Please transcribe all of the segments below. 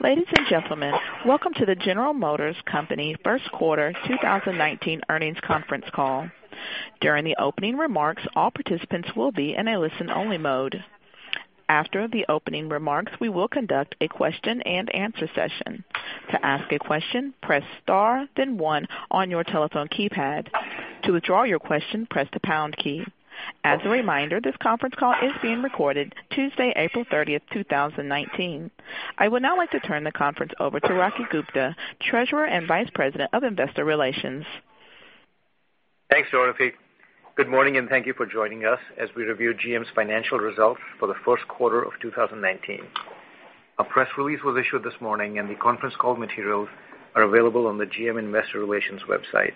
Ladies and gentlemen, welcome to the General Motors Company first quarter 2019 earnings conference call. During the opening remarks, all participants will be in a listen-only mode. After the opening remarks, we will conduct a question and answer session. To ask a question, press star then one on your telephone keypad. To withdraw your question, press the pound key. As a reminder, this conference call is being recorded Tuesday, April 30th, 2019. I would now like to turn the conference over to Rocky Gupta, Treasurer and Vice President of Investor Relations. Thanks, Dorothy. Good morning, and thank you for joining us as we review GM's financial results for the first quarter of 2019. A press release was issued this morning, and the conference call materials are available on the GM Investor Relations website.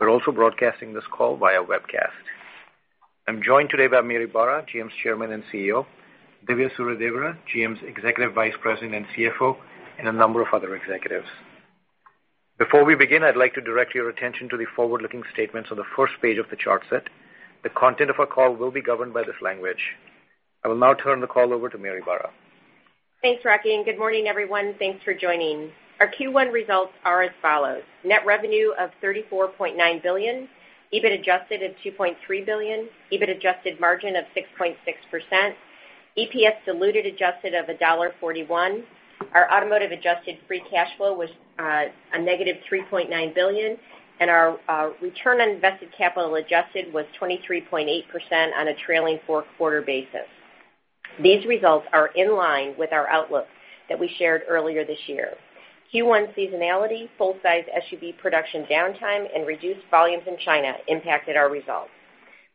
We're also broadcasting this call via webcast. I'm joined today by Mary Barra, GM's Chairman and CEO, Dhivya Suryadevara, GM's Executive Vice President and CFO, and a number of other executives. Before we begin, I'd like to direct your attention to the forward-looking statements on the first page of the chart set. The content of our call will be governed by this language. I will now turn the call over to Mary Barra. Thanks, Rocky. Good morning, everyone. Thanks for joining. Our Q1 results are as follows. Net revenue of $34.9 billion, EBIT adjusted of $2.3 billion, EBIT adjusted margin of 6.6%, EPS diluted adjusted of $1.41. Our automotive adjusted free cash flow was a negative $3.9 billion, and our return on invested capital adjusted was 23.8% on a trailing four-quarter basis. These results are in line with our outlook that we shared earlier this year. Q1 seasonality, full-size SUV production downtime, and reduced volumes in China impacted our results.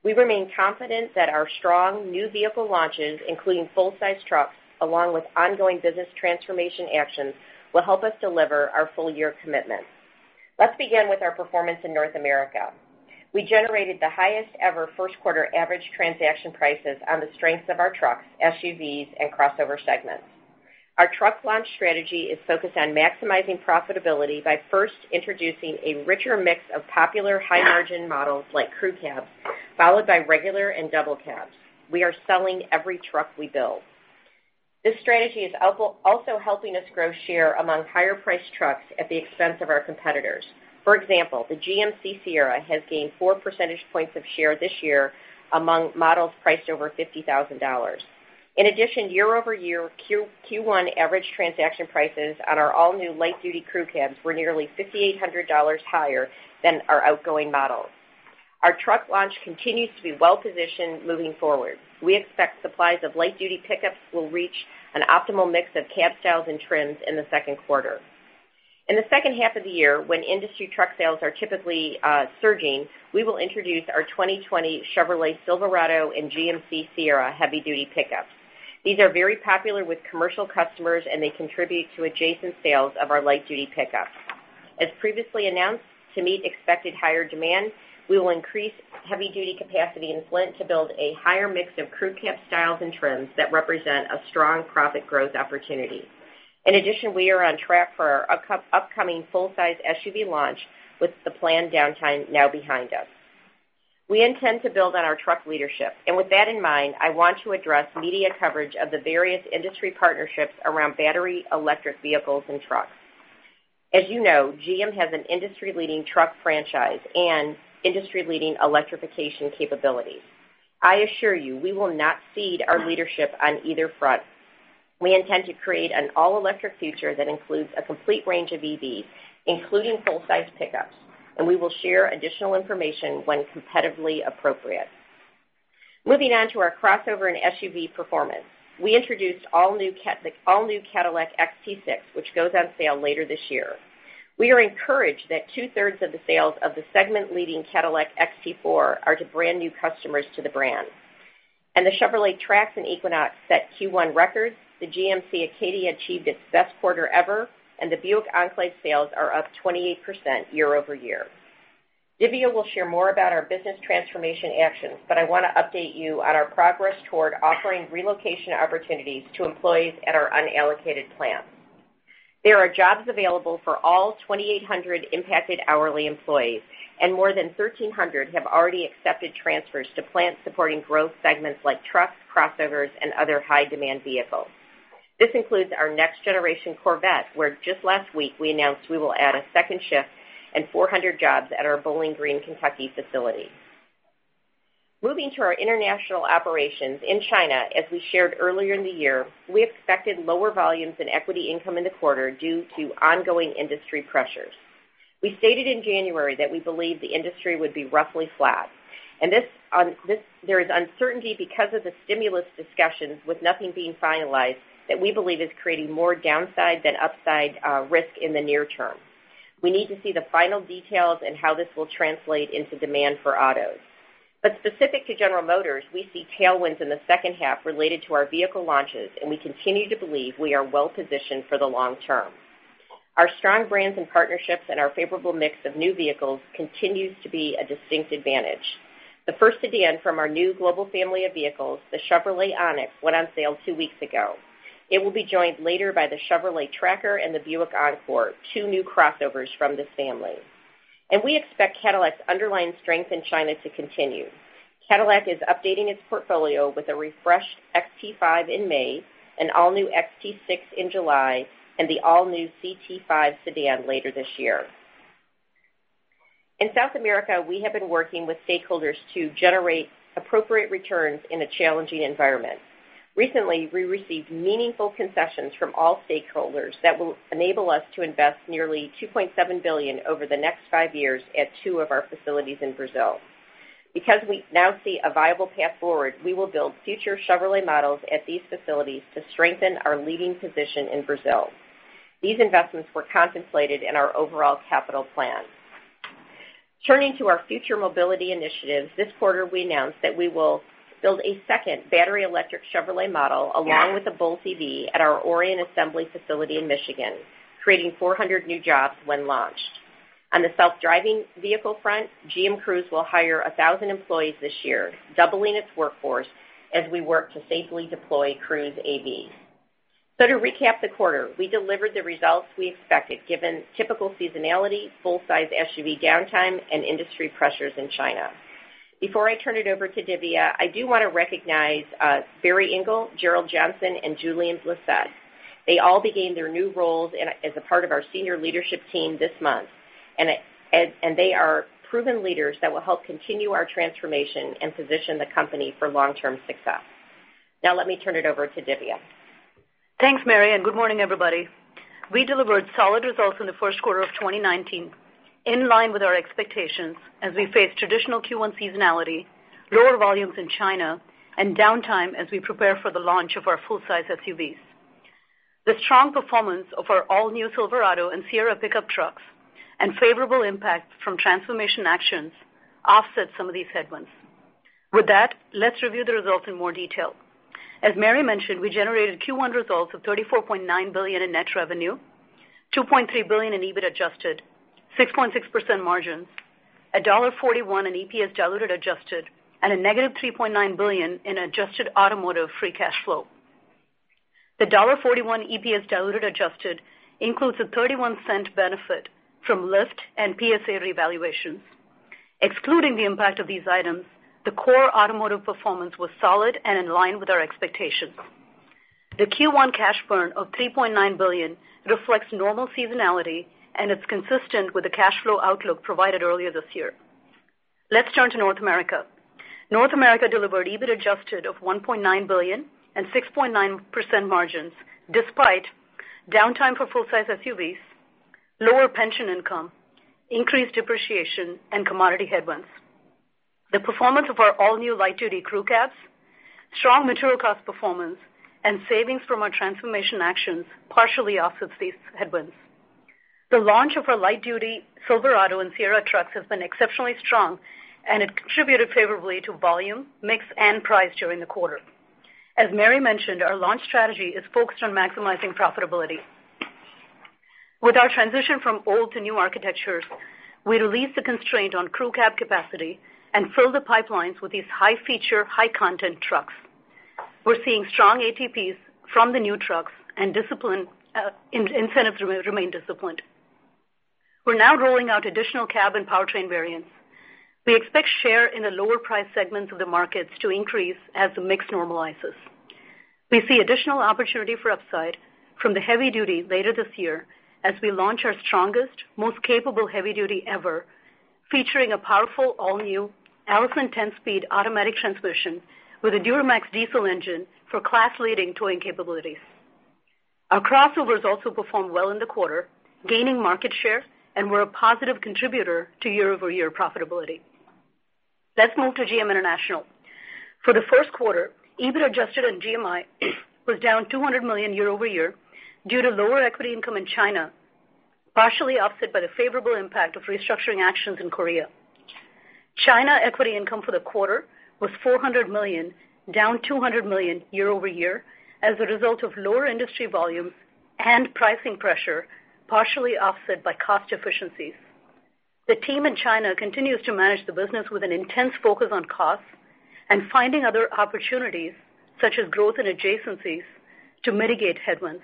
We remain confident that our strong new vehicle launches, including full-size trucks, along with ongoing business transformation actions, will help us deliver our full-year commitments. Let's begin with our performance in North America. We generated the highest-ever first quarter average transaction prices on the strengths of our trucks, SUVs, and crossover segments. Our truck launch strategy is focused on maximizing profitability by first introducing a richer mix of popular high-margin models like crew cabs, followed by regular and double cabs. We are selling every truck we build. This strategy is also helping us grow share among higher-priced trucks at the expense of our competitors. For example, the GMC Sierra has gained four percentage points of share this year among models priced over $50,000. In addition, year-over-year Q1 average transaction prices on our all-new light-duty crew cabs were nearly $5,800 higher than our outgoing models. Our truck launch continues to be well-positioned moving forward. We expect supplies of light-duty pickups will reach an optimal mix of cab styles and trims in the second quarter. In the second half of the year, when industry truck sales are typically surging, we will introduce our 2020 Chevrolet Silverado and GMC Sierra heavy-duty pickups. These are very popular with commercial customers. They contribute to adjacent sales of our light-duty pickups. As previously announced, to meet expected higher demand, we will increase heavy-duty capacity in Flint to build a higher mix of crew cab styles and trims that represent a strong profit growth opportunity. In addition, we are on track for our upcoming full-size SUV launch, with the planned downtime now behind us. We intend to build on our truck leadership. With that in mind, I want to address media coverage of the various industry partnerships around battery electric vehicles and trucks. As you know, GM has an industry-leading truck franchise and industry-leading electrification capabilities. I assure you, we will not cede our leadership on either front. We intend to create an all-electric future that includes a complete range of EVs, including full-size pickups. We will share additional information when competitively appropriate. Moving on to our crossover and SUV performance. We introduced the all-new Cadillac XT6, which goes on sale later this year. We are encouraged that two-thirds of the sales of the segment-leading Cadillac XT4 are to brand-new customers to the brand. The Chevrolet Trax and Equinox set Q1 records, the GMC Acadia achieved its best quarter ever, and the Buick Enclave sales are up 28% year-over-year. Dhivya will share more about our business transformation actions. I want to update you on our progress toward offering relocation opportunities to employees at our unallocated plants. There are jobs available for all 2,800 impacted hourly employees. More than 1,300 have already accepted transfers to plants supporting growth segments like trucks, crossovers, and other high-demand vehicles. This includes our next-generation Corvette, where just last week we announced we will add a second shift and 400 jobs at our Bowling Green, Kentucky facility. Moving to our international operations in China, as we shared earlier in the year, we expected lower volumes and equity income in the quarter due to ongoing industry pressures. We stated in January that we believe the industry would be roughly flat. There is uncertainty because of the stimulus discussions with nothing being finalized that we believe is creating more downside than upside risk in the near term. We need to see the final details and how this will translate into demand for autos. Specific to General Motors, we see tailwinds in the second half related to our vehicle launches. We continue to believe we are well-positioned for the long term. Our strong brands and partnerships and our favorable mix of new vehicles continues to be a distinct advantage. The first sedan from our new global family of vehicles, the Chevrolet Onix, went on sale two weeks ago. It will be joined later by the Chevrolet Tracker and the Buick Encore, two new crossovers from this family. We expect Cadillac's underlying strength in China to continue. Cadillac is updating its portfolio with a refreshed XT5 in May, an all-new XT6 in July, and the all-new CT5 sedan later this year. In South America, we have been working with stakeholders to generate appropriate returns in a challenging environment. Recently, we received meaningful concessions from all stakeholders that will enable us to invest nearly $2.7 billion over the next five years at two of our facilities in Brazil. Because we now see a viable path forward, we will build future Chevrolet models at these facilities to strengthen our leading position in Brazil. These investments were contemplated in our overall capital plan. Turning to our future mobility initiatives, this quarter we announced that we will build a second battery electric Chevrolet model along with a Bolt EV at our Orion assembly facility in Michigan, creating 400 new jobs when launched. On the self-driving vehicle front, GM Cruise will hire 1,000 employees this year, doubling its workforce as we work to safely deploy Cruise AV. To recap the quarter, we delivered the results we expected given typical seasonality, full size SUV downtime, and industry pressures in China. Before I turn it over to Dhivya, I do want to recognize Barry Engle, Gerald Johnson, and Julian Blissett. They all began their new roles as a part of our senior leadership team this month, and they are proven leaders that will help continue our transformation and position the company for long-term success. Now let me turn it over to Dhivya. Thanks, Mary, and good morning, everybody. We delivered solid results in the first quarter of 2019, in line with our expectations as we face traditional Q1 seasonality, lower volumes in China, and downtime as we prepare for the launch of our full size SUVs. The strong performance of our all-new Silverado and Sierra pickup trucks and favorable impact from transformation actions offset some of these headwinds. With that, let's review the results in more detail. As Mary mentioned, we generated Q1 results of $34.9 billion in net revenue, $2.3 billion in EBIT adjusted, 6.6% margins, $1.41 in EPS diluted adjusted, and a negative $3.9 billion in adjusted automotive free cash flow. The $1.41 EPS diluted adjusted includes a $0.31 benefit from Lyft and PSA revaluations. Excluding the impact of these items, the core automotive performance was solid and in line with our expectations. The Q1 cash burn of $3.9 billion reflects normal seasonality and is consistent with the cash flow outlook provided earlier this year. Let's turn to North America. North America delivered EBIT adjusted of $1.9 billion and 6.9% margins despite downtime for full size SUVs, lower pension income, increased depreciation, and commodity headwinds. The performance of our all-new light duty crew cabs, strong material cost performance, and savings from our transformation actions partially offsets these headwinds. The launch of our light duty Silverado and Sierra trucks has been exceptionally strong, and it contributed favorably to volume, mix, and price during the quarter. As Mary mentioned, our launch strategy is focused on maximizing profitability. With our transition from old to new architectures, we released the constraint on crew cab capacity and filled the pipelines with these high-feature, high-content trucks. We're seeing strong ATPs from the new trucks and incentives remain disciplined. We're now rolling out additional cab and powertrain variants. We expect share in the lower price segments of the markets to increase as the mix normalizes. We see additional opportunity for upside from the heavy duty later this year as we launch our strongest, most capable heavy duty ever, featuring a powerful all-new Allison 10-speed automatic transmission with a Duramax diesel engine for class-leading towing capabilities. Our crossovers also performed well in the quarter, gaining market share, and were a positive contributor to year-over-year profitability. Let's move to GM International. For the first quarter, EBIT adjusted on GMI was down $200 million year-over-year due to lower equity income in China, partially offset by the favorable impact of restructuring actions in Korea. China equity income for the quarter was $400 million, down $200 million year-over-year as a result of lower industry volumes and pricing pressure, partially offset by cost efficiencies. The team in China continues to manage the business with an intense focus on costs and finding other opportunities, such as growth and adjacencies, to mitigate headwinds.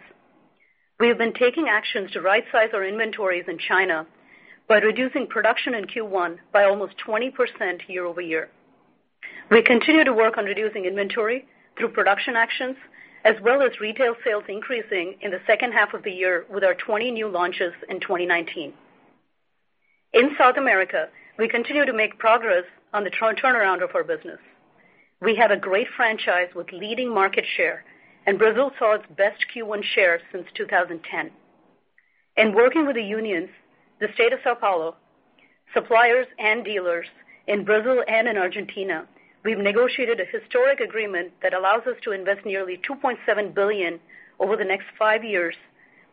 We have been taking actions to right size our inventories in China by reducing production in Q1 by almost 20% year-over-year. We continue to work on reducing inventory through production actions as well as retail sales increasing in the second half of the year with our 20 new launches in 2019. In South America, we continue to make progress on the turnaround of our business. We have a great franchise with leading market share, and Brazil saw its best Q1 share since 2010. In working with the unions, the state of São Paulo, suppliers, and dealers in Brazil and in Argentina, we've negotiated a historic agreement that allows us to invest nearly $2.7 billion over the next five years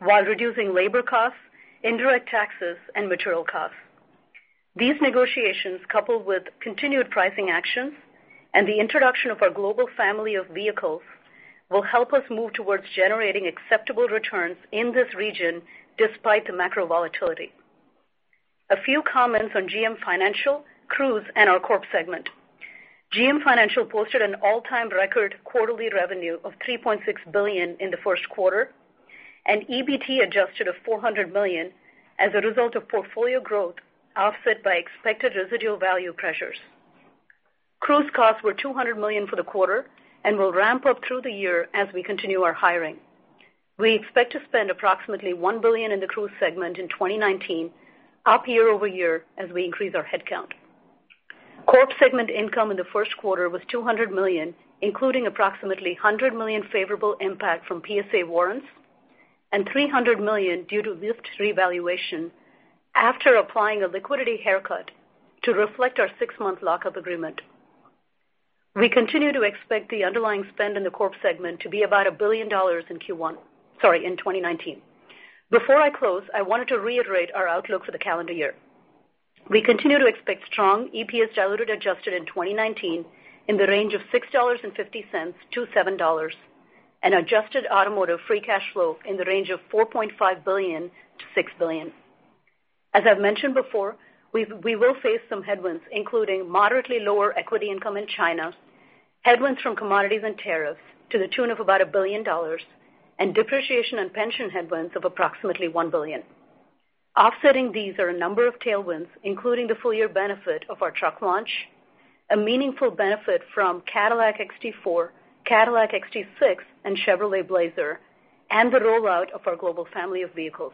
while reducing labor costs, indirect taxes, and material costs. These negotiations, coupled with continued pricing actions and the introduction of our global family of vehicles, will help us move towards generating acceptable returns in this region despite the macro volatility. A few comments on GM Financial, Cruise, and our Corp segment. GM Financial posted an all-time record quarterly revenue of $3.6 billion in the first quarter. EBT adjusted of $400 million as a result of portfolio growth, offset by expected residual value pressures. Cruise costs were $200 million for the quarter and will ramp up through the year as we continue our hiring. We expect to spend approximately $1 billion in the Cruise segment in 2019, up year-over-year as we increase our headcount. Corp segment income in the first quarter was $200 million, including approximately $100 million favorable impact from PSA warrants and $300 million due to Lyft revaluation after applying a liquidity haircut to reflect our six-month lock-up agreement. We continue to expect the underlying spend in the Corp segment to be about $1 billion in 2019. Before I close, I wanted to reiterate our outlook for the calendar year. We continue to expect strong EPS diluted adjusted in 2019 in the range of $6.50-$7, and adjusted automotive free cash flow in the range of $4.5 billion-$6 billion. As I've mentioned before, we will face some headwinds, including moderately lower equity income in China, headwinds from commodities and tariffs to the tune of about $1 billion, and depreciation and pension headwinds of approximately $1 billion. Offsetting these are a number of tailwinds, including the full-year benefit of our truck launch, a meaningful benefit from Cadillac XT4, Cadillac XT6, and Chevrolet Blazer, and the rollout of our global family of vehicles.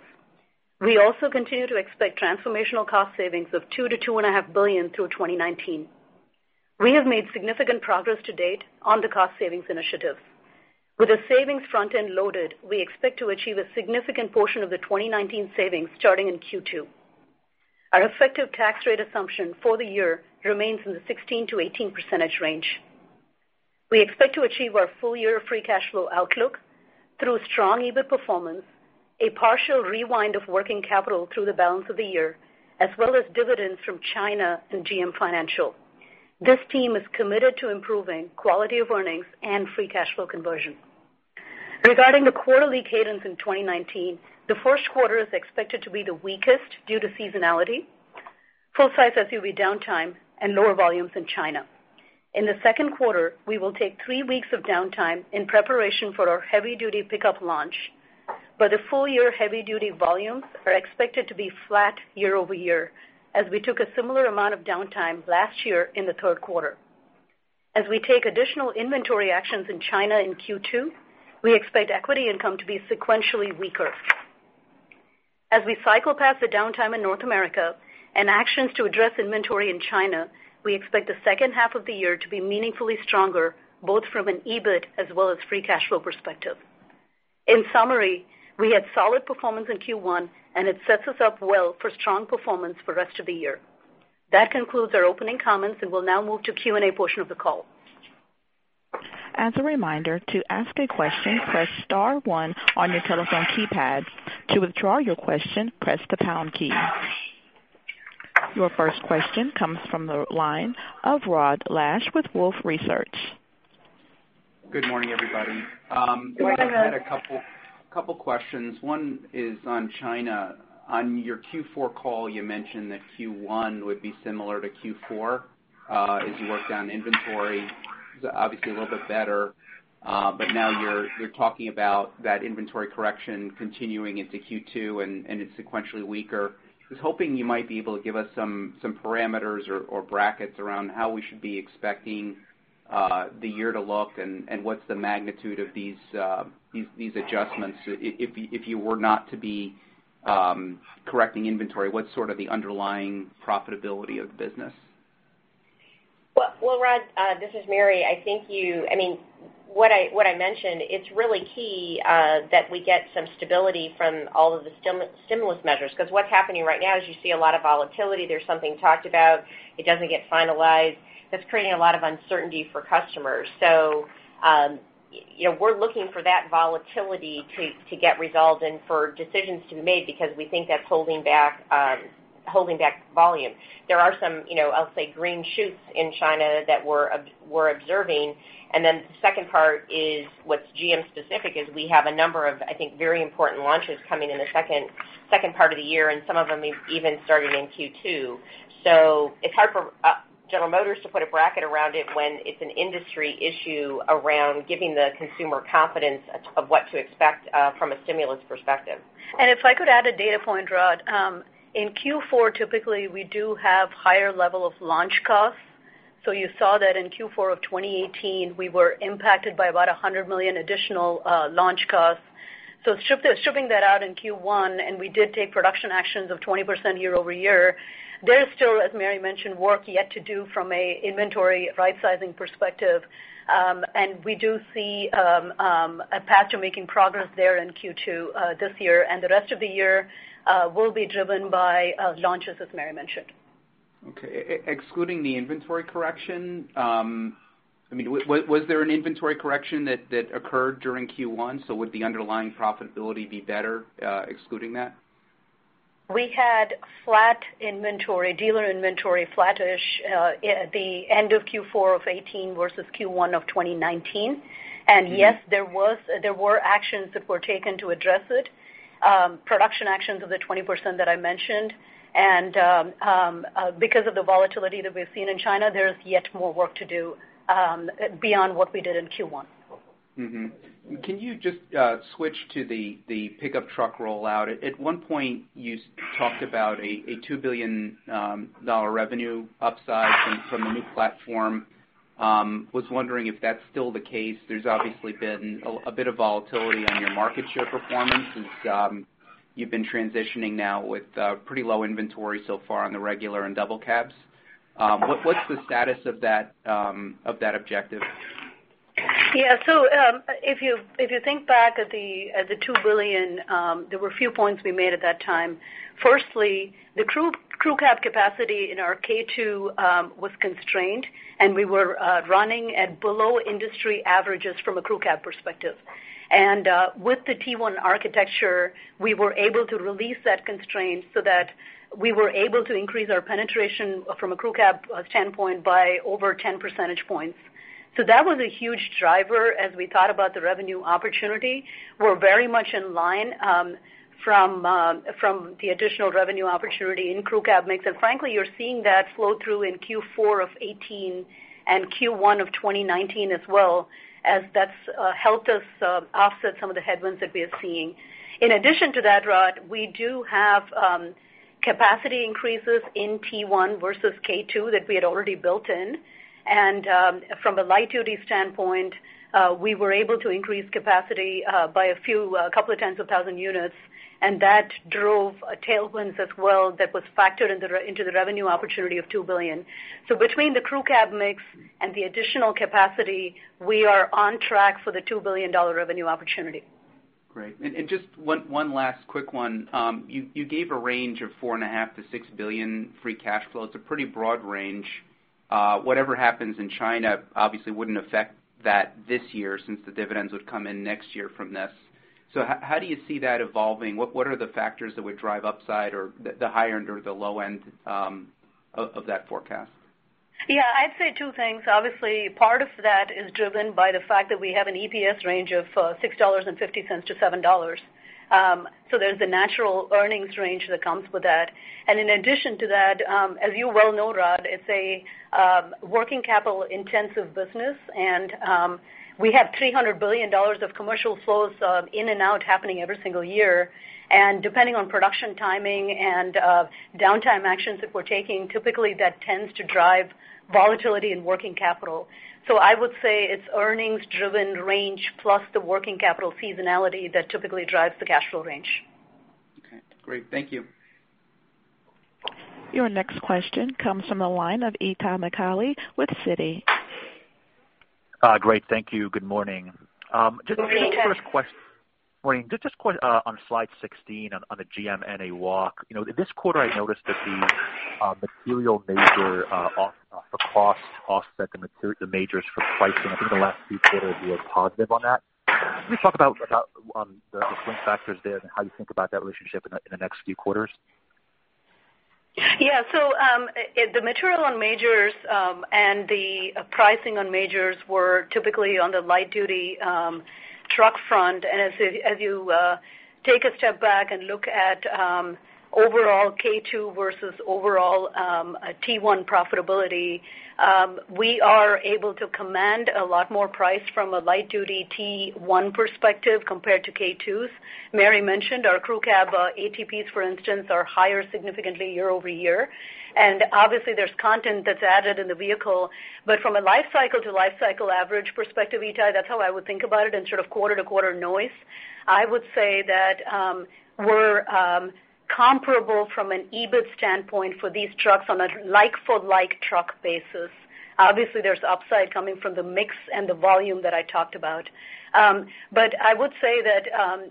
We also continue to expect transformational cost savings of $2 billion-$2.5 billion through 2019. We have made significant progress to date on the cost savings initiatives. With the savings front-end loaded, we expect to achieve a significant portion of the 2019 savings starting in Q2. Our effective tax rate assumption for the year remains in the 16%-18% range. We expect to achieve our full-year free cash flow outlook through strong EBIT performance, a partial rewind of working capital through the balance of the year, as well as dividends from China and GM Financial. This team is committed to improving quality of earnings and free cash flow conversion. Regarding the quarterly cadence in 2019, the first quarter is expected to be the weakest due to seasonality, full-size SUV downtime, and lower volumes in China. In the second quarter, we will take three weeks of downtime in preparation for our heavy-duty pickup launch, but the full-year heavy-duty volumes are expected to be flat year-over-year, as we took a similar amount of downtime last year in the third quarter. As we take additional inventory actions in China in Q2, we expect equity income to be sequentially weaker. As we cycle past the downtime in North America and actions to address inventory in China, we expect the second half of the year to be meaningfully stronger, both from an EBIT as well as free cash flow perspective. In summary, we had solid performance in Q1. It sets us up well for strong performance for the rest of the year. That concludes our opening comments, and we'll now move to Q&A portion of the call. As a reminder, to ask a question, press star one on your telephone keypad. To withdraw your question, press the pound key. Your first question comes from the line of Rod Lache with Wolfe Research. Good morning, everybody. Good morning, Rod. I just had a couple questions. One is on China. On your Q4 call, you mentioned that Q1 would be similar to Q4, as you worked down inventory. It was obviously a little bit better, but now you're talking about that inventory correction continuing into Q2, and it's sequentially weaker. I was hoping you might be able to give us some parameters or brackets around how we should be expecting the year to look, and what's the magnitude of these adjustments? If you were not to be correcting inventory, what's sort of the underlying profitability of the business? Well, Rod, this is Mary. What I mentioned, it's really key that we get some stability from all of the stimulus measures. What's happening right now is you see a lot of volatility. There's something talked about. It doesn't get finalized. That's creating a lot of uncertainty for customers. We're looking for that volatility to get resolved and for decisions to be made because we think that's holding back volume. There are some, I'll say, green shoots in China that we're observing. The second part is what's GM specific is we have a number of, I think, very important launches coming in the second part of the year, and some of them even starting in Q2. It's hard for General Motors to put a bracket around it when it's an industry issue around giving the consumer confidence of what to expect from a stimulus perspective. If I could add a data point, Rod. In Q4, typically, we do have higher level of launch costs. You saw that in Q4 of 2018, we were impacted by about $100 million additional launch costs. Shipping that out in Q1, and we did take production actions of 20% year-over-year, there is still, as Mary mentioned, work yet to do from an inventory right-sizing perspective. We do see a path to making progress there in Q2 this year. The rest of the year will be driven by launches, as Mary mentioned. Okay. Excluding the inventory correction, was there an inventory correction that occurred during Q1? Would the underlying profitability be better excluding that? We had flat inventory, dealer inventory, flattish at the end of Q4 of 2018 versus Q1 of 2019. Yes, there were actions that were taken to address it. Production actions of the 20% that I mentioned, and because of the volatility that we've seen in China, there's yet more work to do beyond what we did in Q1. Can you just switch to the pickup truck rollout? At one point, you talked about a $2 billion revenue upside from the new platform. I was wondering if that's still the case. There's obviously been a bit of volatility on your market share performance since you've been transitioning now with pretty low inventory so far on the regular and double cabs. What's the status of that objective? If you think back at the $2 billion, there were a few points we made at that time. Firstly, the crew cab capacity in our K2 was constrained, and we were running at below industry averages from a crew cab perspective. With the T1 architecture, we were able to release that constraint so that we were able to increase our penetration from a crew cab standpoint by over 10 percentage points. That was a huge driver as we thought about the revenue opportunity. We're very much in line from the additional revenue opportunity in crew cab mix. Frankly, you're seeing that flow through in Q4 of 2018 and Q1 of 2019 as well, as that's helped us offset some of the headwinds that we are seeing. In addition to that, Rod, we do have capacity increases in T1 versus K2 that we had already built in. From a light duty standpoint, we were able to increase capacity by a couple of tens of thousand units, and that drove tailwinds as well that was factored into the revenue opportunity of $2 billion. Between the crew cab mix and the additional capacity, we are on track for the $2 billion revenue opportunity. Great. Just one last quick one. You gave a range of four and a half to $6 billion free cash flow. It's a pretty broad range. Whatever happens in China obviously wouldn't affect that this year since the dividends would come in next year from this. How do you see that evolving? What are the factors that would drive upside or the high end or the low end of that forecast? I'd say two things. Obviously, part of that is driven by the fact that we have an EPS range of $6.50 to $7. There's a natural earnings range that comes with that. In addition to that, as you well know, Rod, it's a working capital intensive business, and we have $300 billion of commercial flows of in and out happening every single year. Depending on production timing and downtime actions that we're taking, typically that tends to drive volatility in working capital. I would say it's earnings driven range plus the working capital seasonality that typically drives the cash flow range. Okay, great. Thank you. Your next question comes from the line of Itay Michaeli with Citi. Great. Thank you. Good morning. Good morning. Just the first question. Maureen, just on slide 16 on the GMNA walk. In this quarter, I noticed that the material major for cost offset the majors for pricing. I think the last few quarters were positive on that. Can you talk about the swing factors there and how you think about that relationship in the next few quarters? Yeah. The material on majors, the pricing on majors were typically on the light duty truck front. As you take a step back and look at overall K2 versus overall T1 profitability, we are able to command a lot more price from a light duty T1 perspective compared to K2's. Mary mentioned our crew cab ATPs, for instance, are higher significantly year-over-year. Obviously there's content that's added in the vehicle, but from a life cycle to life cycle average perspective, Itai, that's how I would think about it in sort of quarter-to-quarter noise. I would say that we're comparable from an EBIT standpoint for these trucks on a like for like truck basis. Obviously, there's upside coming from the mix and the volume that I talked about. I would say that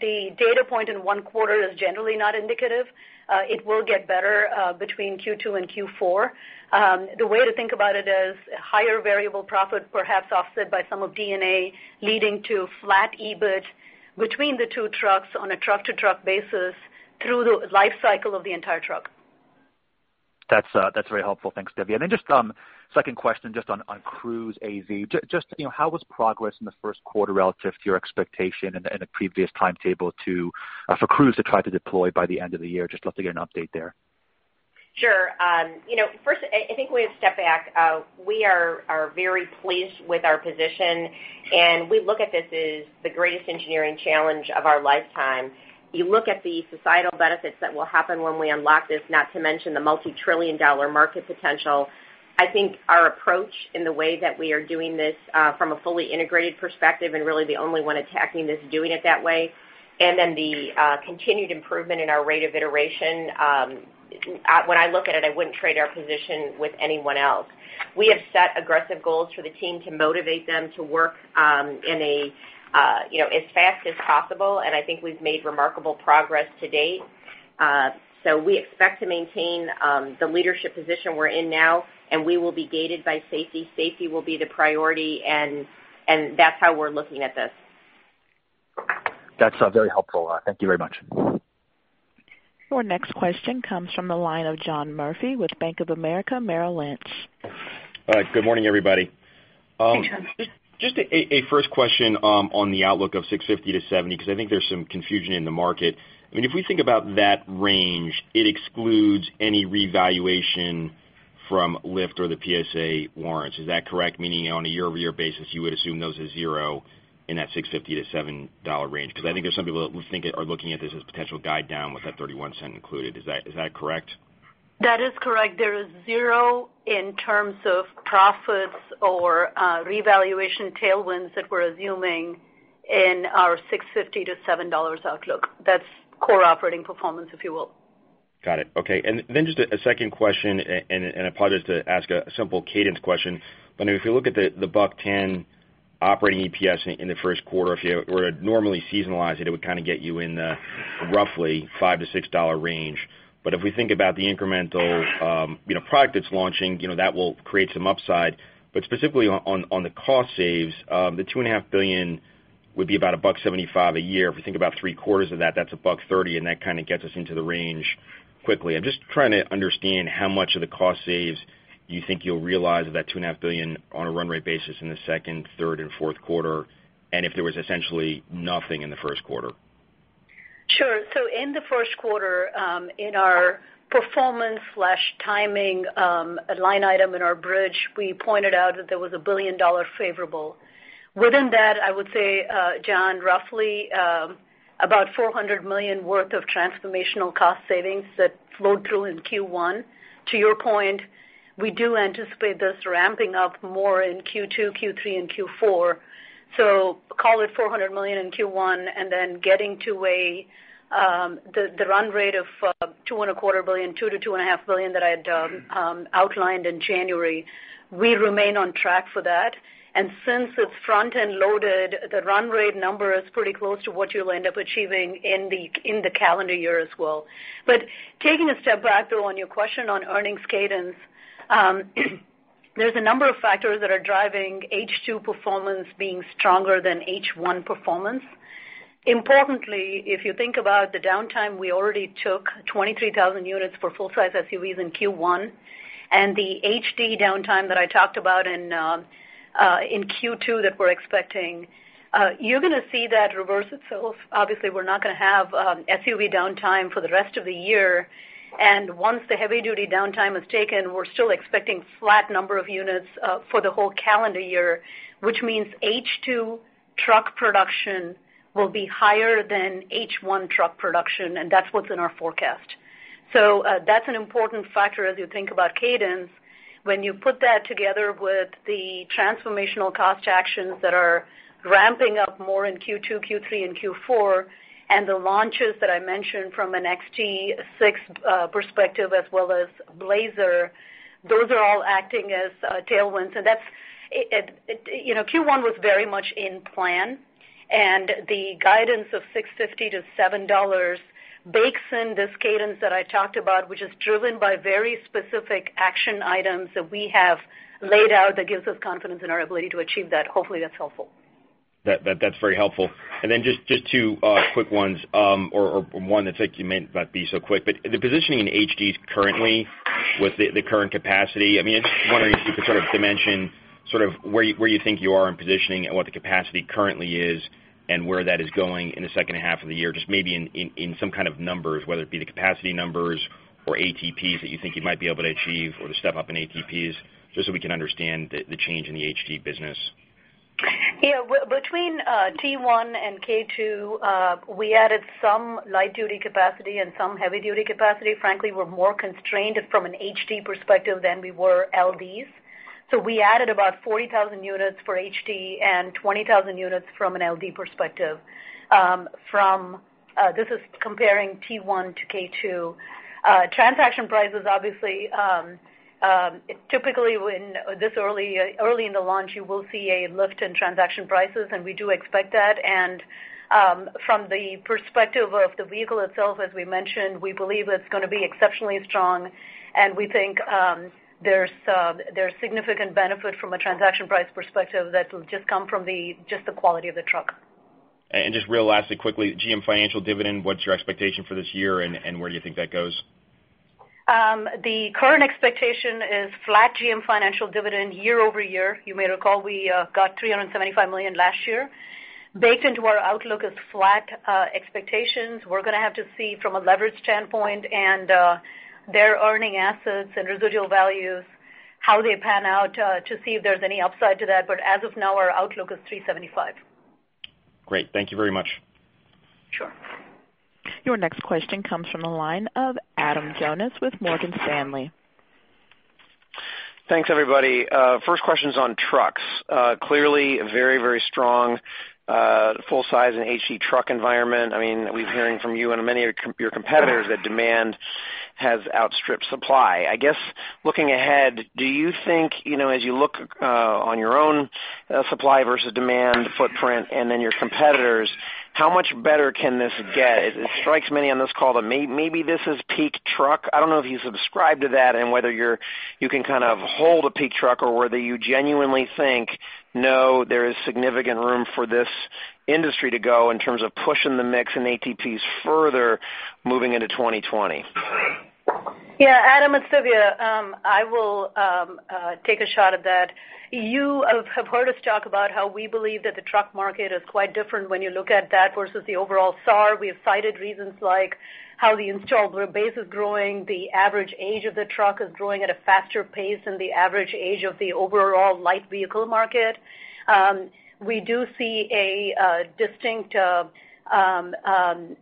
the data point in one quarter is generally not indicative. It will get better between Q2 and Q4. The way to think about it is higher variable profit perhaps offset by some of D&A leading to flat EBIT between the two trucks on a truck-to-truck basis through the life cycle of the entire truck. That's very helpful. Thanks, Devi. Just second question just on Cruise AV. Just how was progress in the first quarter relative to your expectation and the previous timetable for Cruise to try to deploy by the end of the year? Just looking to get an update there. Sure. First, I think we have stepped back. We are very pleased with our position, and we look at this as the greatest engineering challenge of our lifetime. You look at the societal benefits that will happen when we unlock this, not to mention the multi-trillion-dollar market potential. I think our approach in the way that we are doing this from a fully integrated perspective and really the only one attacking this and doing it that way, and then the continued improvement in our rate of iteration. When I look at it, I wouldn't trade our position with anyone else. We have set aggressive goals for the team to motivate them to work as fast as possible, and I think we've made remarkable progress to date. We expect to maintain the leadership position we're in now, and we will be gated by safety. Safety will be the priority, and that's how we're looking at this. That's very helpful. Thank you very much. Your next question comes from the line of John Murphy with Bank of America Merrill Lynch. Good morning, everybody. Hey, John. Just a first question on the outlook of $6.50 to $7, because I think there's some confusion in the market. If we think about that range, it excludes any revaluation from Lyft or the PSA warrants. Is that correct? Meaning on a year-over-year basis, you would assume those are zero in that $6.50 to $7 range? I think there's some people who are looking at this as potential guide down with that $0.31 included. Is that correct? That is correct. There is zero in terms of profits or revaluation tailwinds that we're assuming in our $6.50 to $7 outlook. That's core operating performance, if you will. Just a second question, and apologies to ask a simple cadence question, but if you look at the $1.10 operating EPS in the first quarter, if you were to normally seasonalize it would kind of get you in the roughly $5-$6 range. But if we think about the incremental product that's launching, that will create some upside. But specifically on the cost saves, the $2.5 billion would be about $1.75 a year. If we think about three-quarters of that's $1.30, and that kind of gets us into the range quickly. I'm just trying to understand how much of the cost saves you think you'll realize of that $2.5 billion on a run rate basis in the second, third, and fourth quarter, and if there was essentially nothing in the first quarter. Sure. In the first quarter, in our performance/timing line item in our bridge, we pointed out that there was a $1 billion favorable. Within that, I would say, John, roughly about $400 million worth of transformational cost savings that flowed through in Q1. To your point, we do anticipate this ramping up more in Q2, Q3, and Q4. Call it $400 million in Q1 and then getting to the run rate of $225 billion, $2 billion-$2.5 billion that I had outlined in January. We remain on track for that. Since it's front-end loaded, the run rate number is pretty close to what you'll end up achieving in the calendar year as well. But taking a step back, though, on your question on earnings cadence, there's a number of factors that are driving H2 performance being stronger than H1 performance. Importantly, if you think about the downtime, we already took 23,000 units for full-size SUVs in Q1 and the HD downtime that I talked about in Q2 that we're expecting. You're going to see that reverse itself. Obviously, we're not going to have SUV downtime for the rest of the year, and once the heavy-duty downtime is taken, we're still expecting flat number of units for the whole calendar year, which means H2 truck production will be higher than H1 truck production, and that's what's in our forecast. That's an important factor as you think about cadence. When you put that together with the transformational cost actions that are ramping up more in Q2, Q3, and Q4, and the launches that I mentioned from an XT6 perspective as well as Blazer, those are all acting as tailwinds. Q1 was very much in plan, and the guidance of $6.50-$7 bakes in this cadence that I talked about, which is driven by very specific action items that we have laid out that gives us confidence in our ability to achieve that. Hopefully, that's helpful. That's very helpful. Just two quick ones or one that you meant might not be so quick, the positioning in HDs currently with the current capacity, I'm just wondering if you could sort of dimension where you think you are in positioning and what the capacity currently is and where that is going in the second half of the year. Just maybe in some kind of numbers, whether it be the capacity numbers or ATPs that you think you might be able to achieve or the step up in ATPs, just so we can understand the change in the HD business. Between T1 and K2, we added some light-duty capacity and some heavy-duty capacity. Frankly, we're more constrained from an HD perspective than we were LDs. We added about 40,000 units for HD and 20,000 units from an LD perspective. This is comparing T1 to K2. Transaction prices, obviously, typically this early in the launch, you will see a lift in transaction prices, and we do expect that. From the perspective of the vehicle itself, as we mentioned, we believe it's going to be exceptionally strong, and we think there's significant benefit from a transaction price perspective that will just come from just the quality of the truck. Just real lastly, quickly, GM Financial dividend, what's your expectation for this year, and where do you think that goes? The current expectation is flat GM Financial dividend year-over-year. You may recall we got $375 million last year. Baked into our outlook is flat expectations. We're going to have to see from a leverage standpoint and their earning assets and residual values, how they pan out, to see if there's any upside to that. As of now, our outlook is $375 million. Great. Thank you very much. Sure. Your next question comes from the line of Adam Jonas with Morgan Stanley. Thanks, everybody. First question's on trucks. Clearly very, very strong full size and HD truck environment. We're hearing from you and many of your competitors that demand has outstripped supply. I guess, looking ahead, do you think, as you look on your own supply versus demand footprint and then your competitors, how much better can this get? It strikes many on this call that maybe this is peak truck. I don't know if you subscribe to that and whether you can kind of hold a peak truck or whether you genuinely think, no, there is significant room for this industry to go in terms of pushing the mix and ATPs further moving into 2020? Yeah, Adam and Sylvia, I will take a shot at that. You have heard us talk about how we believe that the truck market is quite different when you look at that versus the overall SAR. We have cited reasons like how the installed base is growing, the average age of the truck is growing at a faster pace than the average age of the overall light vehicle market. We do see a distinct data point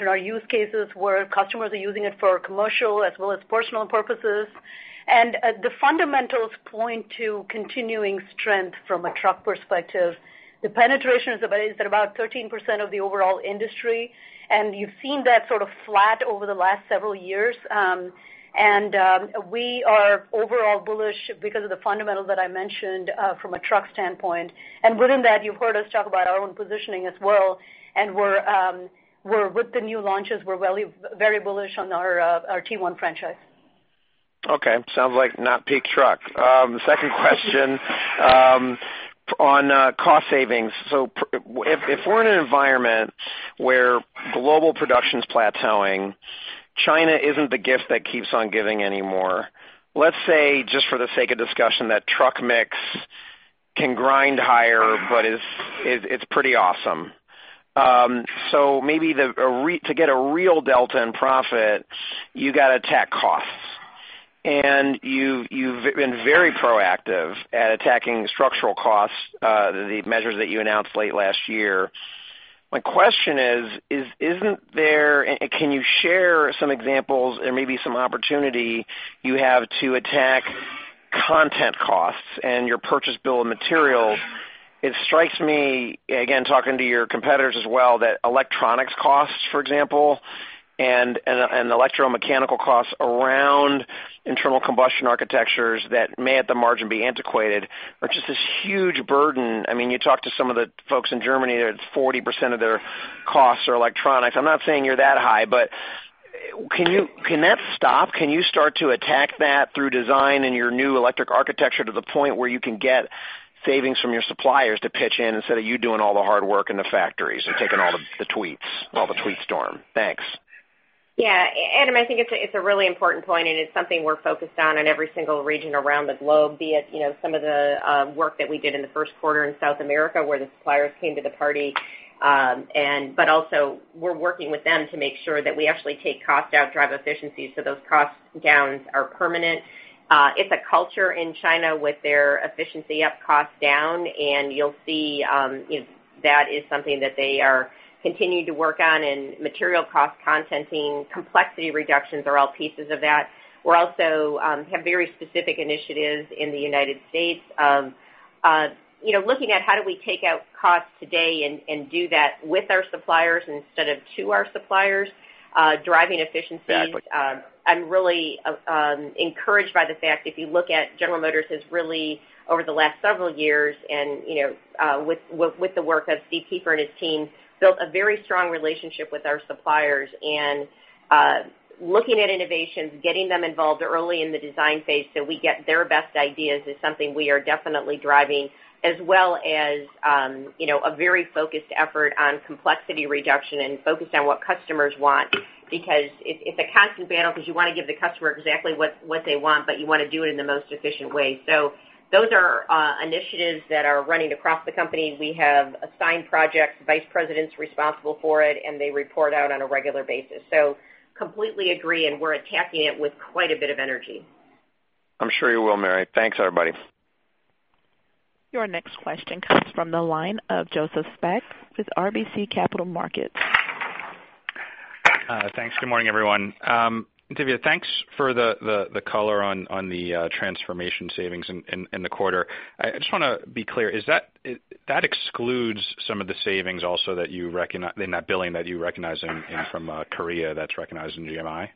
in our use cases where customers are using it for commercial as well as personal purposes. The fundamentals point to continuing strength from a truck perspective. The penetration is at about 13% of the overall industry, and you've seen that sort of flat over the last several years. We are overall bullish because of the fundamentals that I mentioned from a truck standpoint. Within that, you've heard us talk about our own positioning as well, with the new launches, we're very bullish on our T1 franchise. Okay. Sounds like not peak truck. Second question on cost savings. If we're in an environment where global production's plateauing, China isn't the gift that keeps on giving anymore. Let's say, just for the sake of discussion, that truck mix can grind higher, but it's pretty awesome. Maybe to get a real delta in profit, you got to attack costs. You've been very proactive at attacking structural costs, the measures that you announced late last year. My question is, can you share some examples or maybe some opportunity you have to attack content costs and your purchase bill of materials? It strikes me, again, talking to your competitors as well, that electronics costs, for example, and electromechanical costs around internal combustion architectures that may, at the margin, be antiquated, are just this huge burden. You talk to some of the folks in Germany, that it's 40% of their costs are electronics. I'm not saying you're that high. Can that stop? Can you start to attack that through design and your new electric architecture to the point where you can get savings from your suppliers to pitch in, instead of you doing all the hard work in the factories and taking all the tweets, all the tweet storm? Thanks. Yeah. Adam, I think it's a really important point, it's something we're focused on in every single region around the globe, be it some of the work that we did in the first quarter in South America where the suppliers came to the party. Also we're working with them to make sure that we actually take cost out, drive efficiency, so those cost downs are permanent. It's a culture in China with their efficiency up, cost down, you'll see that is something that they are continuing to work on, material cost contenting, complexity reductions are all pieces of that. We also have very specific initiatives in the United States. Looking at how do we take out costs today and do that with our suppliers instead of to our suppliers, driving efficiencies. Exactly. I'm really encouraged by the fact, if you look at General Motors has really, over the last several years and with the work of Steven Kiefer and his team, built a very strong relationship with our suppliers. Looking at innovations, getting them involved early in the design phase so we get their best ideas is something we are definitely driving, as well as a very focused effort on complexity reduction and focused on what customers want. Because it's a constant battle, because you want to give the customer exactly what they want, but you want to do it in the most efficient way. Those are initiatives that are running across the company. We have assigned projects, vice presidents responsible for it, and they report out on a regular basis. Completely agree, and we're attacking it with quite a bit of energy. I'm sure you will, Mary. Thanks, everybody. Your next question comes from the line of Joseph Spak with RBC Capital Markets. Thanks. Good morning, everyone. Sylvia, thanks for the color on the transformation savings in the quarter. I just want to be clear, that excludes some of the savings also in that billing that you recognize from Korea that's recognized in GMI?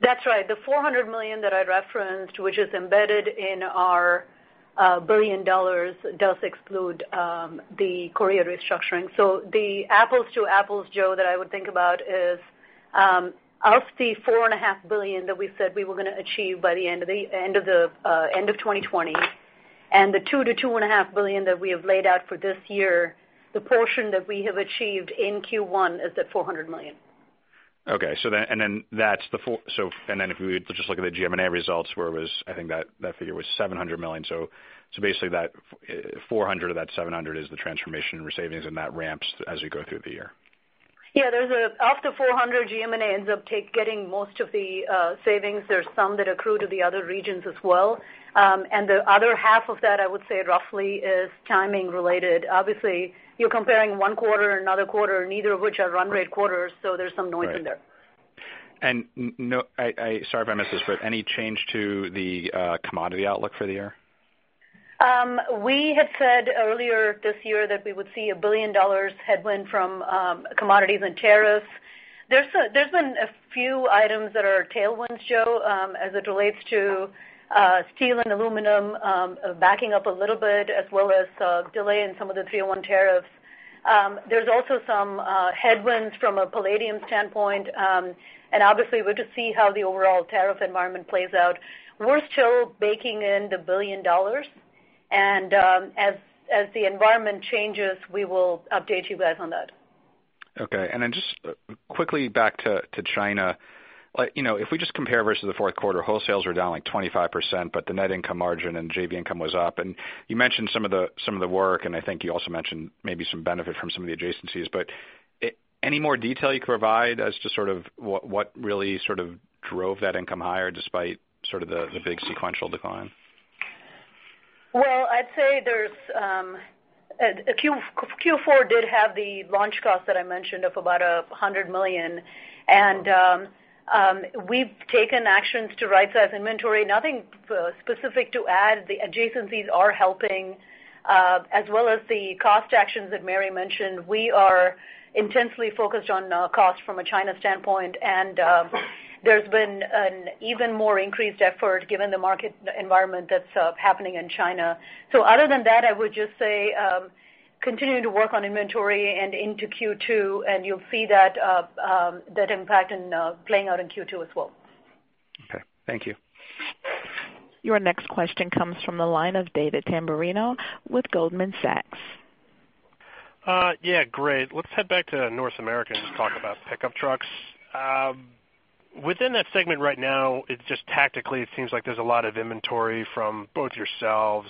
That's right. The $400 million that I referenced, which is embedded in our $1 billion, does exclude the Korea restructuring. The apples to apples, Joe, that I would think about is of the $4.5 billion that we said we were going to achieve by the end of 2020 and the $2 billion-$2.5 billion that we have laid out for this year, the portion that we have achieved in Q1 is at $400 million. Okay. If we just look at the G&A results, where it was, I think that figure was $700 million. Basically that $400 million of that $700 million is the transformation savings, and that ramps as we go through the year. Yeah. Of the $400 million, G&A ends up getting most of the savings. There's some that accrue to the other regions as well. The other half of that, I would say, roughly, is timing related. Obviously, you're comparing one quarter and another quarter, neither of which are run rate quarters, so there's some noise in there. Right. Sorry if I missed this, but any change to the commodity outlook for the year? We had said earlier this year that we would see a $1 billion headwind from commodities and tariffs. There's been a few items that are tailwinds, Joe, as it relates to steel and aluminum backing up a little bit, as well as delay in some of the 301 tariffs. There's also some headwinds from a palladium standpoint. Obviously, we'll just see how the overall tariff environment plays out. We're still baking in the $1 billion. As the environment changes, we will update you guys on that. Okay. Then just quickly back to China. If we just compare versus the fourth quarter, wholesales were down like 25%, but the net income margin and JV income was up, and you mentioned some of the work, and I think you also mentioned maybe some benefit from some of the adjacencies. Any more detail you can provide as to what really sort of drove that income higher despite the big sequential decline? Well, I'd say Q4 did have the launch cost that I mentioned of about $100 million. We've taken actions to right-size inventory. Nothing specific to add. The adjacencies are helping, as well as the cost actions that Mary mentioned. We are intensely focused on cost from a China standpoint. There's been an even more increased effort given the market environment that's happening in China. Other than that, I would just say, continuing to work on inventory and into Q2, and you'll see that impact playing out in Q2 as well. Okay. Thank you. Your next question comes from the line of David Tamberrino with Goldman Sachs. Yeah, great. Let's head back to North America and talk about pickup trucks. Within that segment right now, just tactically it seems like there's a lot of inventory from both yourselves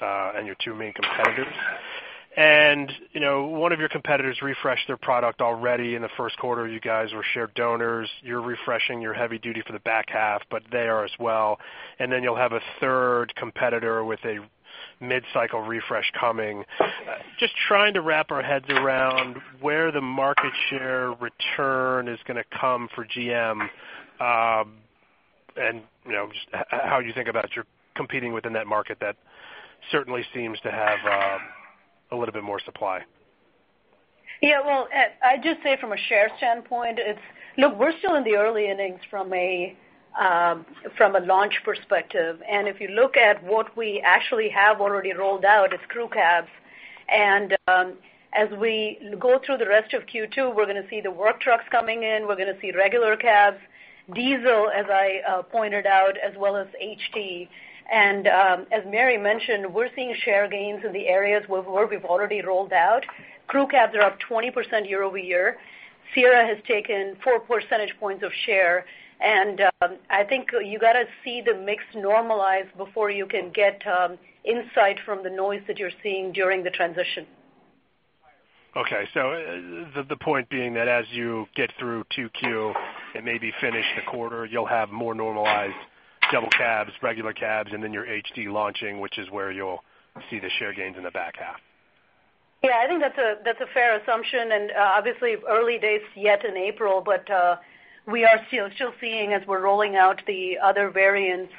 and your two main competitors. One of your competitors refreshed their product already in the first quarter. You guys were shared donors. You're refreshing your heavy duty for the back half, but they are as well. Then you'll have a third competitor with a mid-cycle refresh coming. Just trying to wrap our heads around where the market share return is going to come for GM. Just how you think about your competing within that market, that certainly seems to have a little bit more supply. Yeah, well, I'd just say from a share standpoint, look, we're still in the early innings from a launch perspective. If you look at what we actually have already rolled out as crew cabs, as we go through the rest of Q2, we're going to see the work trucks coming in. We're going to see regular cabs, diesel, as I pointed out, as well as HD. As Mary mentioned, we're seeing share gains in the areas where we've already rolled out. Crew cabs are up 20% year-over-year. Sierra has taken four percentage points of share. I think you got to see the mix normalize before you can get insight from the noise that you're seeing during the transition. Okay, the point being that as you get through 2Q and maybe finish the quarter, you'll have more normalized double cabs, regular cabs, then your HD launching, which is where you'll see the share gains in the back half. Yeah, I think that's a fair assumption. Obviously, early days yet in April, we are still seeing, as we're rolling out the other variants,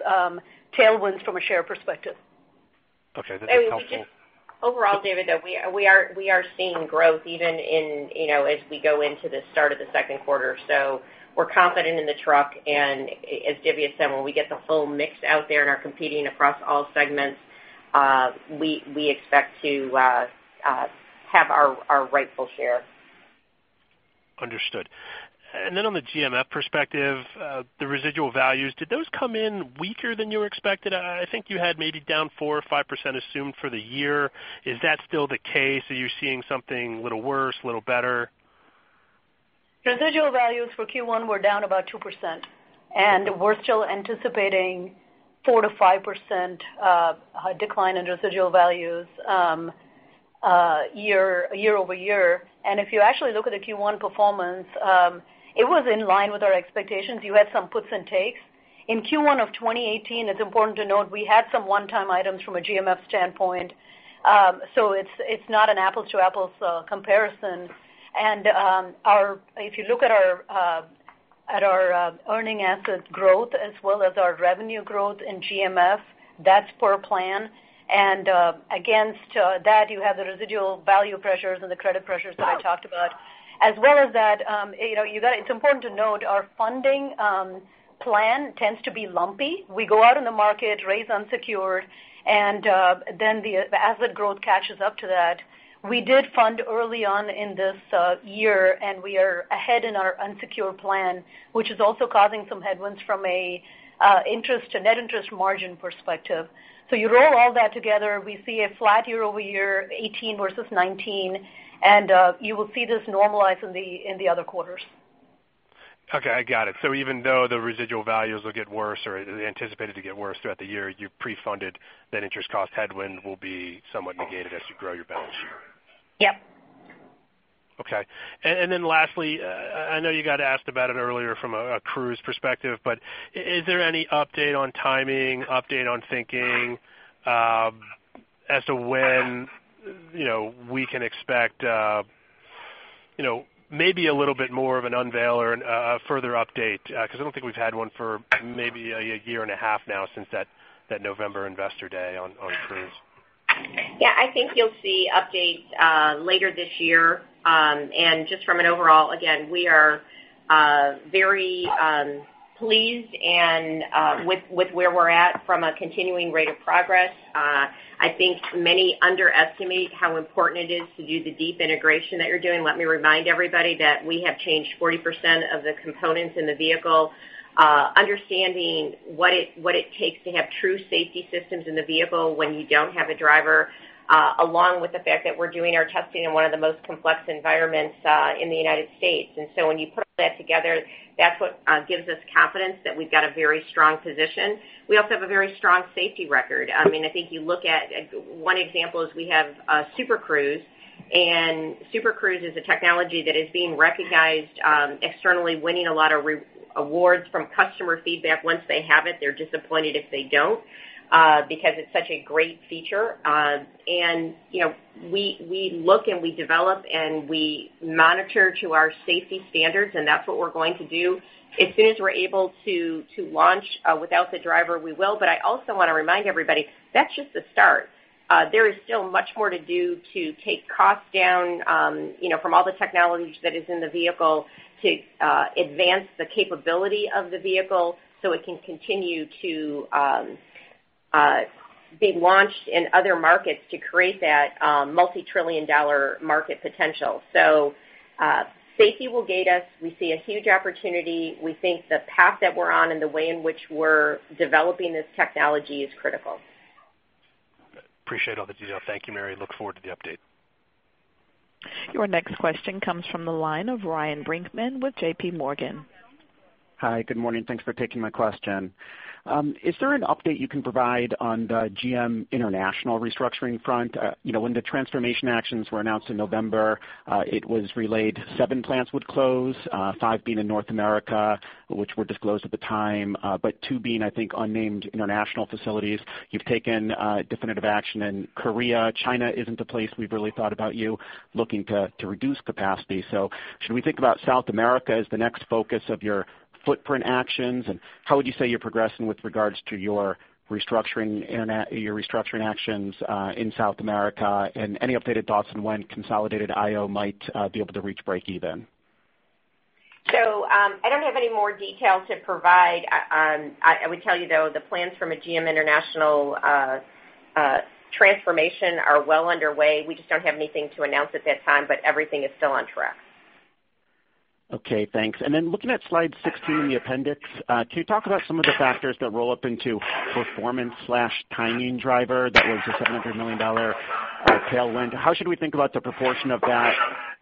tailwinds from a share perspective. Okay. That's helpful. Overall, David, though, we are seeing growth even as we go into the start of the second quarter. We're confident in the truck, as Divya said, when we get the full mix out there and are competing across all segments, we expect to have our rightful share. Understood. On the GMF perspective, the residual values, did those come in weaker than you expected? I think you had maybe down 4% or 5% assumed for the year. Is that still the case? Are you seeing something a little worse, a little better? Residual values for Q1 were down about 2%. We're still anticipating 4%-5% decline in residual values year-over-year. If you actually look at the Q1 performance, it was in line with our expectations. You had some puts and takes. In Q1 of 2018, it's important to note we had some one-time items from a GMF standpoint. It's not an apples to apples comparison. If you look at our earning assets growth as well as our revenue growth in GMF, that's per plan. Against that, you have the residual value pressures and the credit pressures that I talked about. As well as that, it's important to note our funding plan tends to be lumpy. We go out in the market, raise unsecured, and then the asset growth catches up to that. We did fund early on in this year. We are ahead in our unsecured plan, which is also causing some headwinds from a net interest margin perspective. You roll all that together, we see a flat year-over-year, 2018 versus 2019, and you will see this normalize in the other quarters. Okay. I got it. Even though the residual values will get worse or anticipated to get worse throughout the year, you pre-funded that interest cost headwind will be somewhat negated as you grow your balance sheet. Yep. Okay. Lastly, I know you got asked about it earlier from a Cruise perspective, is there any update on timing, update on thinking, as to when we can expect maybe a little bit more of an unveil or a further update? I don't think we've had one for maybe a year and a half now since that November investor day on Cruise. Yeah, I think you'll see updates later this year. Just from an overall, again, we are very pleased with where we're at from a continuing rate of progress. I think many underestimate how important it is to do the deep integration that you're doing. Let me remind everybody that we have changed 40% of the components in the vehicle, understanding what it takes to have true safety systems in the vehicle when you don't have a driver, along with the fact that we're doing our testing in one of the most complex environments in the U.S. When you put all that together, that's what gives us confidence that we've got a very strong position. We also have a very strong safety record. I think you look at one example is we have Super Cruise. Super Cruise is a technology that is being recognized externally, winning a lot of awards from customer feedback. Once they have it, they're disappointed if they don't, because it's such a great feature. We look, and we develop, and we monitor to our safety standards, and that's what we're going to do. As soon as we're able to launch without the driver, we will. I also want to remind everybody, that's just a start. There is still much more to do to take costs down from all the technology that is in the vehicle to advance the capability of the vehicle so it can continue to be launched in other markets to create that multi-trillion-dollar market potential. Safety will gate us. We see a huge opportunity. We think the path that we're on and the way in which we're developing this technology is critical. Appreciate all the detail. Thank you, Mary. Look forward to the update. Your next question comes from the line of Ryan Brinkman with J.P. Morgan. Hi, good morning. Thanks for taking my question. Is there an update you can provide on the GM International restructuring front? When the transformation actions were announced in November, it was relayed 7 plants would close, 5 being in North America, which were disclosed at the time, but 2 being, I think, unnamed international facilities. You've taken definitive action in Korea. China isn't a place we've really thought about you looking to reduce capacity. Should we think about South America as the next focus of your footprint actions? How would you say you're progressing with regards to your restructuring actions in South America? Any updated thoughts on when consolidated IO might be able to reach breakeven? I don't have any more detail to provide. I would tell you, though, the plans from a GM International transformation are well underway. We just don't have anything to announce at this time, but everything is still on track. Okay, thanks. Looking at slide 16, the appendix, can you talk about some of the factors that roll up into performance/timing driver that was a $700 million tailwind? How should we think about the proportion of that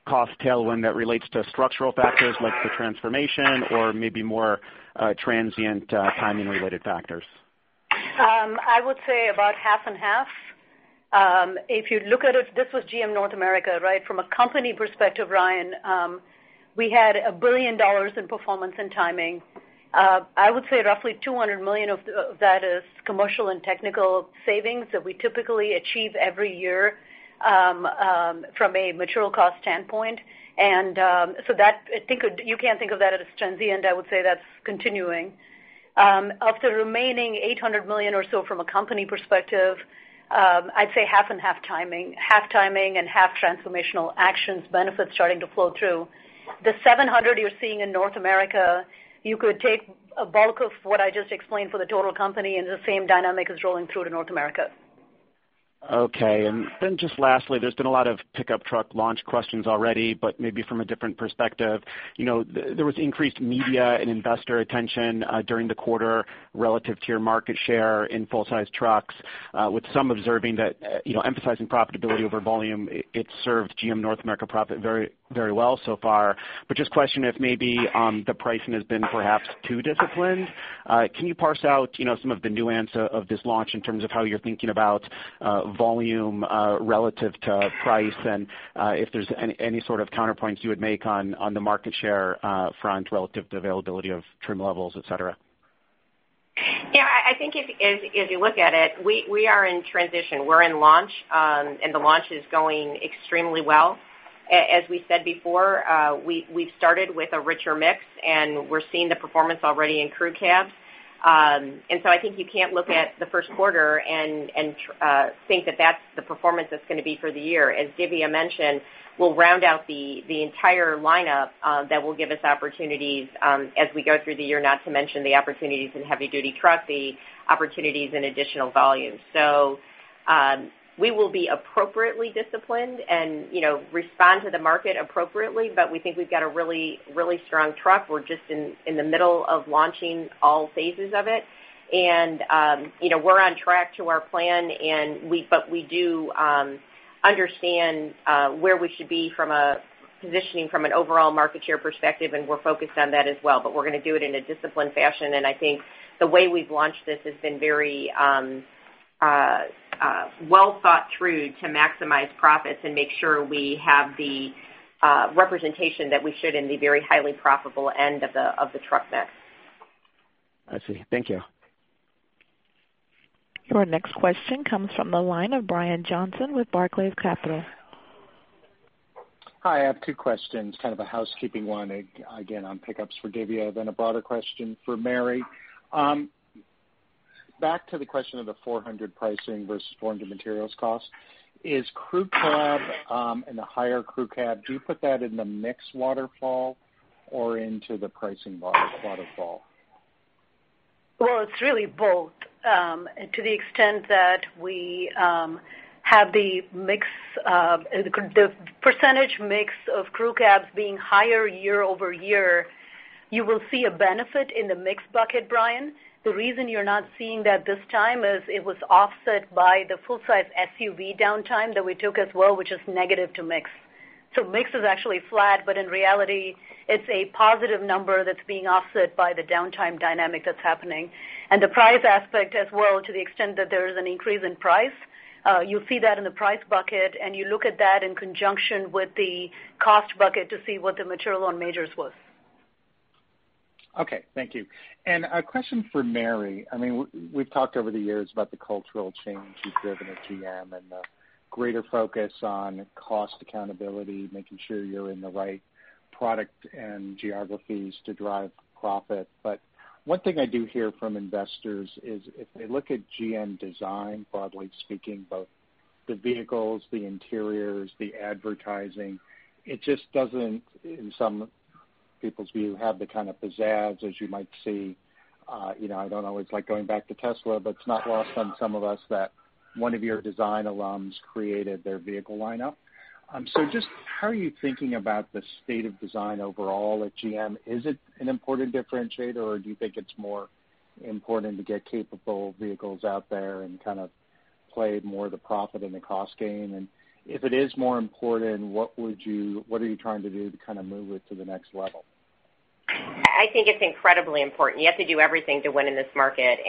cost tailwind that relates to structural factors like the transformation or maybe more transient timing-related factors? I would say about half and half. If you look at it, this was GM North America. From a company perspective, Ryan, we had $1 billion in performance and timing. I would say roughly $200 million of that is commercial and technical savings that we typically achieve every year from a material cost standpoint. You can't think of that as transient. I would say that's continuing. Of the remaining $800 million or so from a company perspective, I'd say half and half timing, half timing and half transformational actions, benefits starting to flow through. The $700 you're seeing in North America, you could take a bulk of what I just explained for the total company, and the same dynamic is rolling through to North America. Okay. Lastly, there's been a lot of pickup truck launch questions already, but maybe from a different perspective. There was increased media and investor attention during the quarter relative to your market share in full-size trucks, with some observing that emphasizing profitability over volume, it served GM North America profit very well so far. Just a question if maybe the pricing has been perhaps too disciplined. Can you parse out some of the nuance of this launch in terms of how you're thinking about volume relative to price and if there's any sort of counterpoints you would make on the market share front relative to availability of trim levels, et cetera? Yeah, I think if you look at it, we are in transition. We're in launch, and the launch is going extremely well. As we said before, we've started with a richer mix, and we're seeing the performance already in crew cabs. I think you can't look at the first quarter and think that that's the performance that's going to be for the year. As Divya mentioned, we'll round out the entire lineup that will give us opportunities as we go through the year, not to mention the opportunities in heavy duty trucks, the opportunities in additional volumes. We will be appropriately disciplined and respond to the market appropriately, but we think we've got a really strong truck. We're just in the middle of launching all phases of it. We're on track to our plan, but we do understand where we should be from a positioning from an overall market share perspective, and we're focused on that as well. We're going to do it in a disciplined fashion. I think the way we've launched this has been very well thought through to maximize profits and make sure we have the representation that we should in the very highly profitable end of the truck mix. I see. Thank you. Your next question comes from the line of Brian Johnson with Barclays Capital. Hi, I have two questions. Kind of a housekeeping one, again, on pickups for Dhivya, then a broader question for Mary. Back to the question of the $400 pricing versus foreign materials costs, is crew cab and the higher crew cab, do you put that in the mix waterfall or into the pricing waterfall? Well, it's really both. To the extent that we have the percentage mix of crew cabs being higher year-over-year, you will see a benefit in the mix bucket, Brian. The reason you're not seeing that this time is it was offset by the full-size SUV downtime that we took as well, which is negative to mix. Mix is actually flat, but in reality, it's a positive number that's being offset by the downtime dynamic that's happening. The price aspect as well, to the extent that there is an increase in price, you'll see that in the price bucket, and you look at that in conjunction with the cost bucket to see what the material on majors was. Okay. Thank you. A question for Mary. We've talked over the years about the cultural change you've driven at GM and the greater focus on cost accountability, making sure you're in the right product and geographies to drive profit. One thing I do hear from investors is if they look at GM design, broadly speaking, both the vehicles, the interiors, the advertising, it just doesn't, in some people's view, have the kind of pizzazz as you might see. I don't know, it's like going back to Tesla, but it's not lost on some of us that one of your design alums created their vehicle lineup. Just how are you thinking about the state of design overall at GM? Is it an important differentiator, or do you think it's more important to get capable vehicles out there and kind of play more the profit and the cost game? If it is more important, what are you trying to do to kind of move it to the next level? I think it's incredibly important. You have to do everything to win in this market,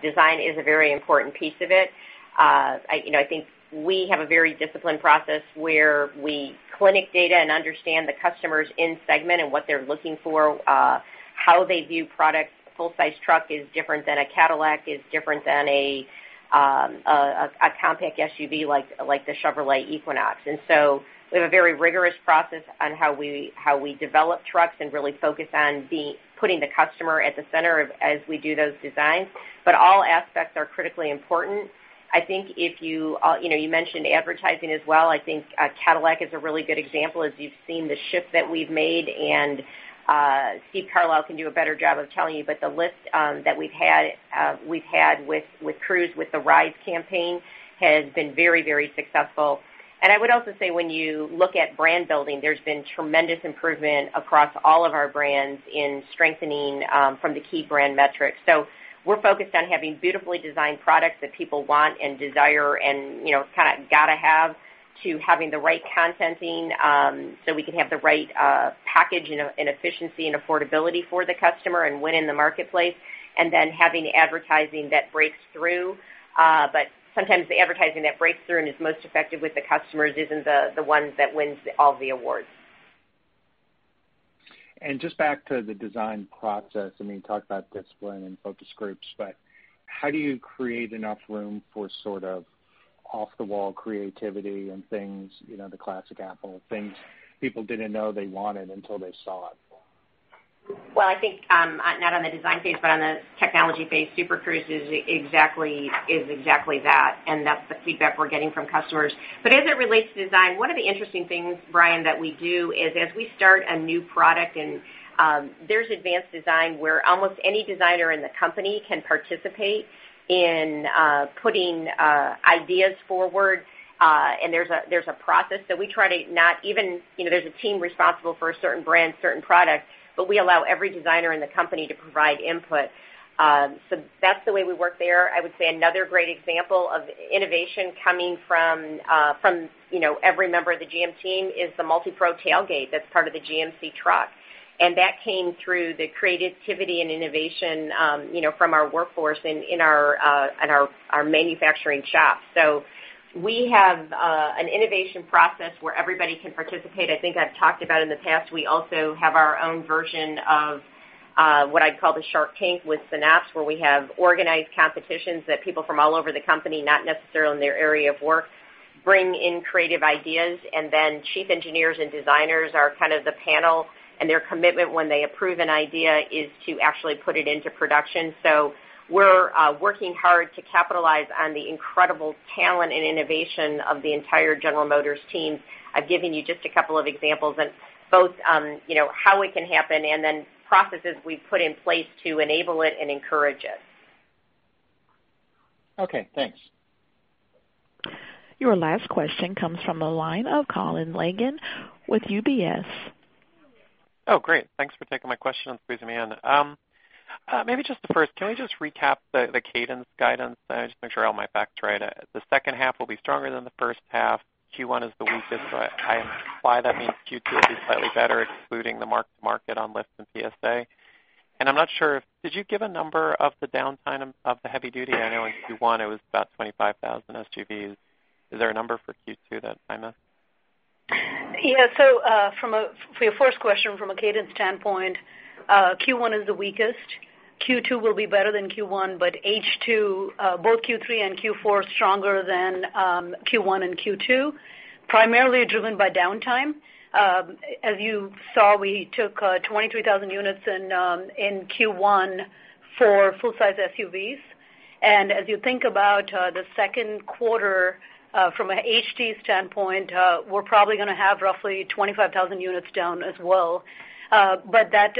design is a very important piece of it. I think we have a very disciplined process where we clinic data and understand the customers in segment and what they're looking for, how they view products. A full-size truck is different than a Cadillac, is different than a compact SUV like the Chevrolet Equinox. We have a very rigorous process on how we develop trucks and really focus on putting the customer at the center as we do those designs. All aspects are critically important. You mentioned advertising as well. I think Cadillac is a really good example as you've seen the shift that we've made, Steve Carlisle can do a better job of telling you. The list that we've had with Cruise, with the Ride campaign, has been very successful. I would also say when you look at brand building, there's been tremendous improvement across all of our brands in strengthening from the key brand metrics. We're focused on having beautifully designed products that people want and desire and kind of got to have, to having the right contenting, so we can have the right package and efficiency and affordability for the customer and win in the marketplace, having advertising that breaks through. Sometimes the advertising that breaks through and is most effective with the customers isn't the one that wins all the awards. Just back to the design process. You talked about discipline and focus groups, how do you create enough room for sort of off-the-wall creativity and things, the classic Apple, things people didn't know they wanted until they saw it? I think, not on the design phase, but on the technology phase, Super Cruise is exactly that, and that's the feedback we're getting from customers. As it relates to design, one of the interesting things, Brian, that we do is as we start a new product, and there's advanced design where almost any designer in the company can participate in putting ideas forward, and there's a process. There's a team responsible for a certain brand, certain product, but we allow every designer in the company to provide input. That's the way we work there. I would say another great example of innovation coming from every member of the GM team is the MultiPro Tailgate that's part of the GMC truck. That came through the creativity and innovation from our workforce and in our manufacturing shops. We have an innovation process where everybody can participate. I think I've talked about in the past, we also have our own version of what I'd call the Shark Tank with Synapse, where we have organized competitions that people from all over the company, not necessarily in their area of work, bring in creative ideas, and then chief engineers and designers are kind of the panel, and their commitment when they approve an idea is to actually put it into production. We're working hard to capitalize on the incredible talent and innovation of the entire General Motors team. I've given you just a couple of examples and both on how it can happen and then processes we've put in place to enable it and encourage it. Okay, thanks. Your last question comes from the line of Colin Langan with UBS. Great. Thanks for taking my question. Just the first, can we just recap the cadence guidance? Just make sure all my facts are right. The second half will be stronger than the first half. Q1 is the weakest. I imply that means Q2 will be slightly better, excluding the mark-to-market on Lyft and PSA. I'm not sure, did you give a number of the downtime of the heavy duty? I know in Q1 it was about 25,000 SUVs. Is there a number for Q2 that I missed? For your first question, from a cadence standpoint, Q1 is the weakest. Q2 will be better than Q1, but H2, both Q3 and Q4 stronger than Q1 and Q2, primarily driven by downtime. As you saw, we took 23,000 units in Q1 for full size SUVs. As you think about the second quarter from a HD standpoint, we're probably going to have roughly 25,000 units down as well. That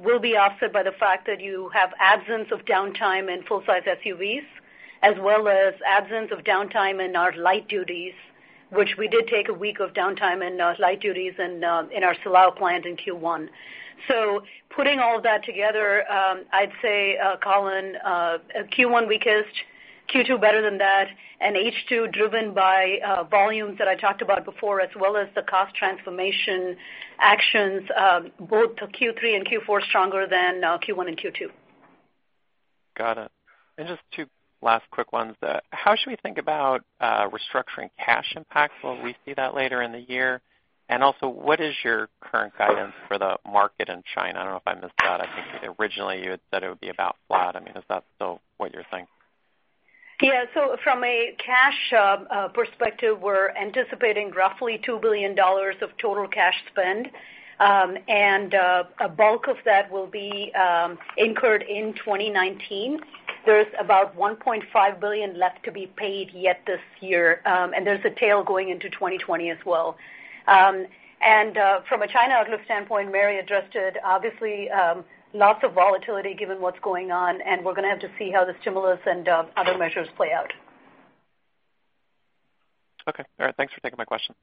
will be offset by the fact that you have absence of downtime in full size SUVs, as well as absence of downtime in our light duties, which we did take a week of downtime in our light duties in our Silao plant in Q1. Putting all that together, I'd say, Colin, Q1 weakest, Q2 better than that, and H2 driven by volumes that I talked about before, as well as the cost transformation actions, both Q3 and Q4 stronger than Q1 and Q2. Got it. Just two last quick ones. How should we think about restructuring cash impacts? Will we see that later in the year? Also, what is your current guidance for the market in China? I don't know if I missed that. I think originally you had said it would be about flat. Is that still what you're thinking? From a cash perspective, we're anticipating roughly $2 billion of total cash spend. A bulk of that will be incurred in 2019. There's about $1.5 billion left to be paid yet this year. There's a tail going into 2020 as well. From a China outlook standpoint, Mary addressed it. Obviously, lots of volatility given what's going on, and we're going to have to see how the stimulus and other measures play out. Okay. All right. Thanks for taking my question.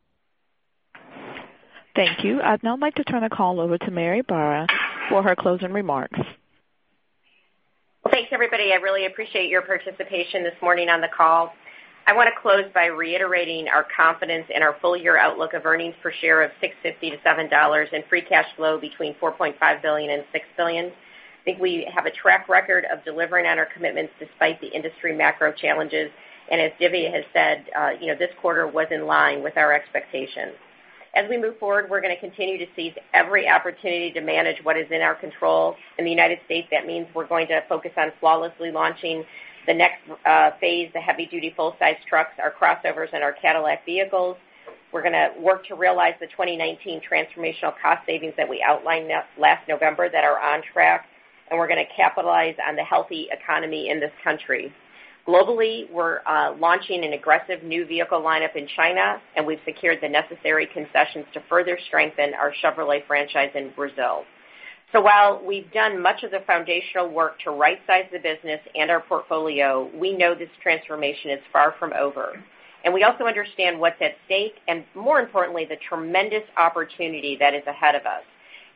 Thank you. I'd now like to turn the call over to Mary Barra for her closing remarks. Thanks, everybody. I really appreciate your participation this morning on the call. I want to close by reiterating our confidence in our full-year outlook of earnings per share of $6.50 to $7.00 in free cash flow between $4.5 billion and $6 billion. I think we have a track record of delivering on our commitments despite the industry macro challenges. As Divya has said, this quarter was in line with our expectations. As we move forward, we're going to continue to seize every opportunity to manage what is in our control. In the U.S., that means we're going to focus on flawlessly launching the next phase of heavy duty, full size trucks, our crossovers, and our Cadillac vehicles. We're going to work to realize the 2019 transformational cost savings that we outlined last November that are on track, and we're going to capitalize on the healthy economy in this country. Globally, we're launching an aggressive new vehicle lineup in China, and we've secured the necessary concessions to further strengthen our Chevrolet franchise in Brazil. While we've done much of the foundational work to right size the business and our portfolio, we know this transformation is far from over. We also understand what's at stake, and more importantly, the tremendous opportunity that is ahead of us.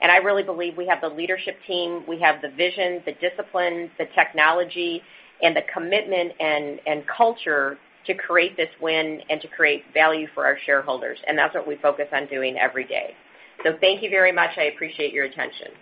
I really believe we have the leadership team, we have the vision, the discipline, the technology, and the commitment and culture to create this win and to create value for our shareholders. That's what we focus on doing every day. Thank you very much. I appreciate your attention.